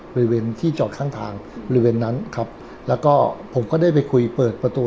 บริเวณที่จอดข้างทางบริเวณนั้นครับแล้วก็ผมก็ได้ไปคุยเปิดประตู